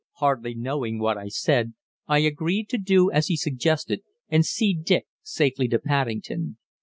Hardly knowing what I said, I agreed to do as he suggested, and see Dick safely to Paddington.